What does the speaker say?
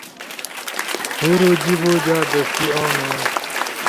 ہُورو جیِبو جا دستی اونو